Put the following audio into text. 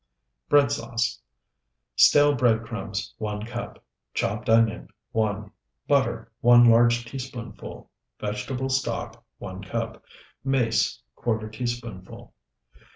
BREAD SAUCE Stale bread crumbs, 1 cup. Chopped onion, 1. Butter, 1 large teaspoonful. Vegetable stock, 1 cup. Mace, ¼ teaspoonful.